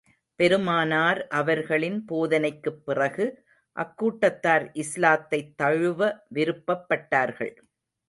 பெருமானார் அவர்களின் போதனைக்குப் பிறகு, அக்கூட்டத்தார் இஸ்லாத்தைத் தழுவ விருப்பப்பட்டார்கள்.